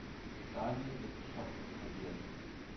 Sahil ist geschockt und verwirrt.